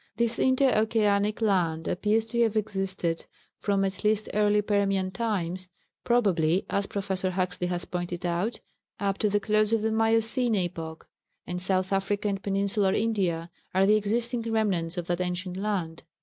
This Indo Oceanic land appears to have existed from at least early Permian times, probably (as Professor Huxley has pointed out) up to the close of the Miocene epoch; and South Africa and Peninsular India are the existing remnants of that ancient land.